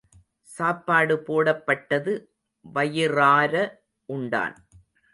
சாப்பாடு போடப்பட்டது வயிறார உண்டான்.